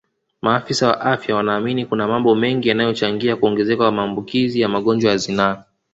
Maafisa wa afya wanaamini kuna mambo mengi yanayochangia kuongezeka maambukizi ya magonjwa ya zinaa